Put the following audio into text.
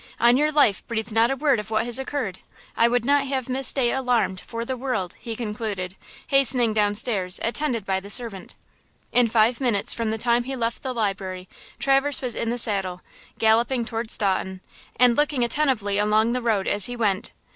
On your life, breathe not a word of what has occurred! I would not have Miss Day alarmed for the world!" he concluded, hastening down stairs attended by the servant. In five minutes from the time he left the library Traverse was in the saddle, galloping toward Staunton, and looking attentively along the road as he went.